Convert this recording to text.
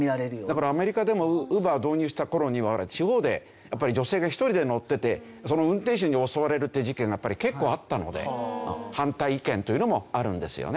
だからアメリカでもＵｂｅｒ導入した頃には地方でやっぱり女性が１人で乗っていてその運転手に襲われるっていう事件が結構あったので反対意見というのもあるんですよね。